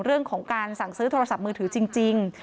เรื่องของการสั่งซื้อโทรศัพท์มือถือจริง